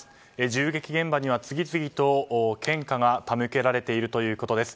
銃撃現場には次々と献花が手向けられているということです。